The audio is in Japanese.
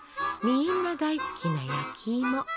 みんな大好きな焼きいも。